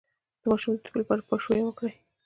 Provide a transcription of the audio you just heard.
د ماشوم د تبې لپاره پاشویه وکړئ